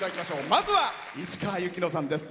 まずは市川由紀乃さんです。